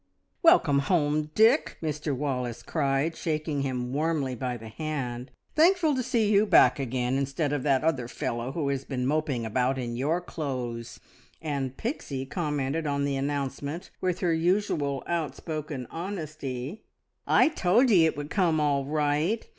"Welcome home, Dick!" Mr Wallace cried, shaking him warmly by the hand. "Thankful to see you back again, instead of that other fellow who has been moping about in your clothes!" and Pixie commented on the announcement with her usual outspoken honesty. "I told ye it would come all right!